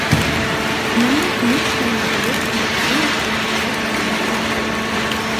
Манахі не ў стане былі самастойна фінансаваць рамонт касцёла.